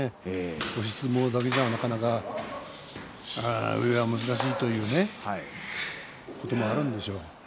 押し相撲だけではなかなか上は難しいということもあるんでしょう。